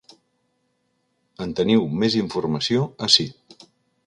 En teniu més informació ací.